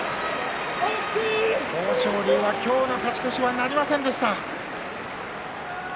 豊昇龍、今日の勝ち越しはなりませんでした。